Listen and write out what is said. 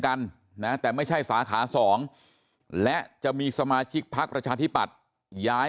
กันนะแต่ไม่ใช่สาขา๒และจะมีสมาชิกพักประชาธิปัตย์ย้าย